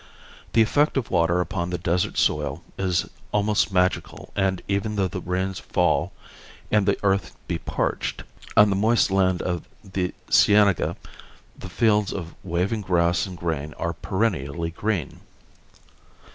The effect of water upon the desert soil is almost magical and even though the rains fail and the earth be parched, on the moist land of the cienega the fields of waving grass and grain are perennially green.